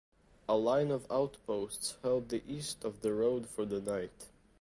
A line of outposts held the east of the road for the night.